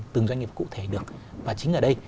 từng doanh nghiệp cụ thể được và chính ở đây